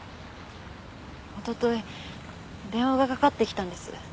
おととい電話がかかってきたんです。